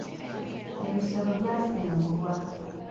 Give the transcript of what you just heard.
Ebisolo byasengulwa.